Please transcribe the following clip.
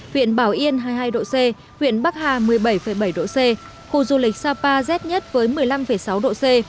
huyện bảo yên hai mươi hai độ c huyện bắc hà một mươi bảy bảy độ c khu du lịch sapa rét nhất với một mươi năm sáu độ c